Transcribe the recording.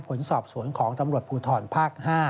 ผลสอบสวนของตำรวจภูทรภาค๕